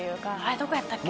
どこやったっけ」